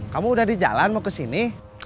kamu udah di jalan mau kesini